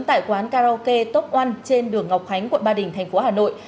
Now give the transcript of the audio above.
tại quán karaoke top oan trên đường ngọc khánh quận ba đình thành phố hà nội